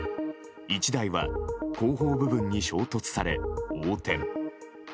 １台は後方部分に衝突され横転。